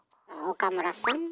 岡村さん。